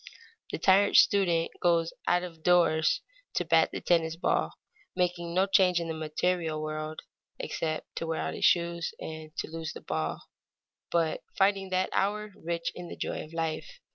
The tired student goes out of doors to bat the tennis ball, making no change in the material world, except to wear out his shoes and to lose the ball, but finding that hour rich in the joy of life.